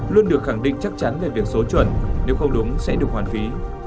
luôn được khẳng định chắc chắn là việc số chuẩn nếu không đúng sẽ được hoàn phí